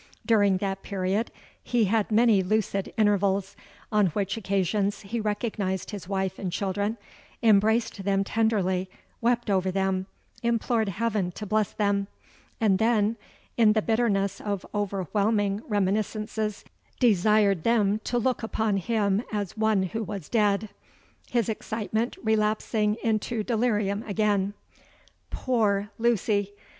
During that period he had many lucid intervals, on which occasions he recognised his wife and children—embraced them tenderly—wept over them—implored heaven to bless them—and then, in the bitterness of overwhelming reminiscences, desired them to look upon him as one who was dead,—his excitement relapsing into delirium again. Poor Lucy!